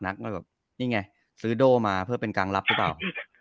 นี่ไงซื้อโด้มาเพื่อเป็นกางรับหรือเปล่า